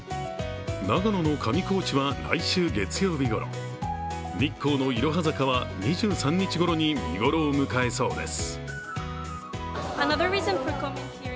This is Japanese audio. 長野の上高地は来週月曜日ごろ、日光のいろは坂は２３日ごろに見頃を迎えそうです。